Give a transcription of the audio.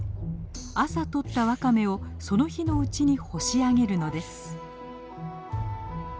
朝採ったワカメをその日のうちに干し上げるのです。